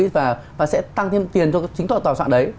và sẽ tăng thêm tiền cho chính tòa soạn đấy